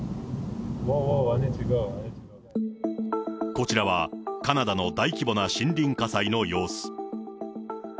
こちらはカナダの大規模な森林火災の様子。